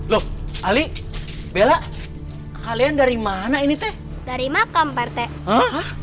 loh ali bela kalian dari mana ini teh dari makam partai